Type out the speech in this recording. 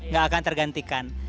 gak akan tergantikan